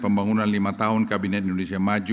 pembangunan lima tahun kabinet indonesia maju